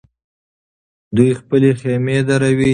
دوی خپلې خېمې دروي.